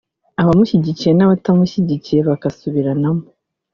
abamushyigikiye n’abatamushyigikiye bagasubiranamo